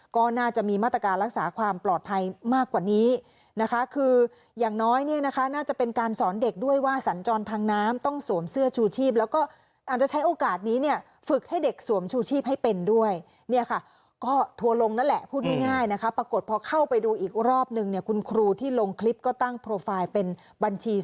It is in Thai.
ก็น่าจะมีมาตรการรักษาความปลอดภัยมากกว่านี้นะคะคืออย่างน้อยเนี่ยนะคะน่าจะเป็นการสอนเด็กด้วยว่าสัญจรทางน้ำต้องสวมเสื้อชูชีพแล้วก็อาจจะใช้โอกาสนี้เนี่ยฝึกให้เด็กสวมชูชีพให้เป็นด้วยเนี่ยค่ะก็ทัวร์ลงนั่นแหละพูดง่ายนะคะปรากฏพอเข้าไปดูอีกรอบนึงเนี่ยคุณครูที่ลงคลิปก็ตั้งโปรไฟล์เป็นบัญชี